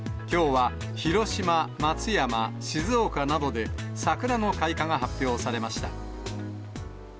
きょうは広島、松山、静岡などで、桜の開花が発表されました。